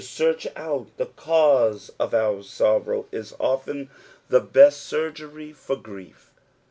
To eearch out the cause of ont gorrow is often th« best surgery (or gtief.